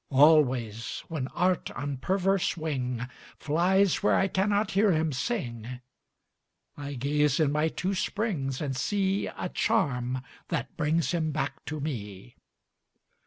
Always, when Art on perverse wing Flies where I cannot hear him sing, I gaze in my two springs and see A charm that brings him back to me.